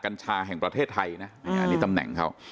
นี่ตำแหน่งเขา